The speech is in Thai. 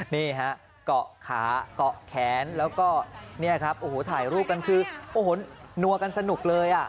นี่ฮะเกาะขาเกาะแขนแล้วก็เนี่ยครับโอ้โหถ่ายรูปกันคือโอ้โหนัวกันสนุกเลย